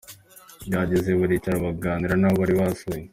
Bagezeye baricara baganira n'abo bari basuye.